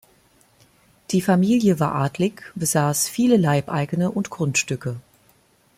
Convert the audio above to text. Die Familie war adlig, besaß viele Leibeigene und Grundstücke.